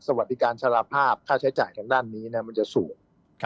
สวัสดีการสารภาพค่าใช้จ่ายทางด้านนี้มันจะสูง